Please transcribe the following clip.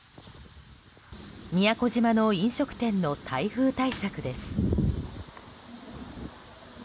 宮古島の飲食店の台風対策です。